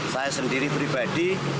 saya sendiri pribadi